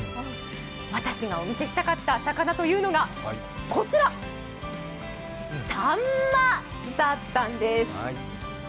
私がお見せしたかった魚というのが、こちらさんまだったんです。